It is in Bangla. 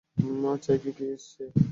চায় কী সে?